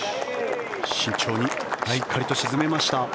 慎重にしっかりと沈めました。